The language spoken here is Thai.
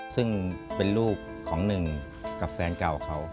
ซึ่งเป็นลูกของหนึ่งกับแฟนเก่าเขา